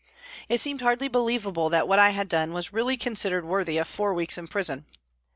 It seemed hardly believable that what I had done was really considered worthy of four weeks in prison.